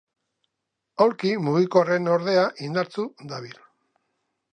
Aulki mugikorrean ordea indartsu dabil.